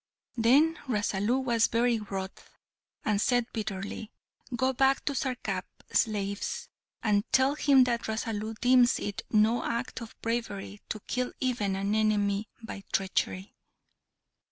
Then Rasalu was very wroth, and said bitterly, "Go back to Sarkap, slaves! and tell him that Rasalu deems it no act of bravery to kill even an enemy by treachery."